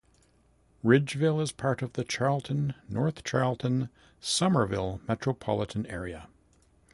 Ridgeville is part of the Charleston-North Charleston-Summerville metropolitan area.